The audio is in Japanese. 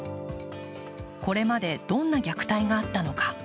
これまでどんな虐待があったのか。